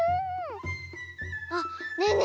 あっねえね